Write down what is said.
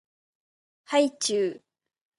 はいちゅう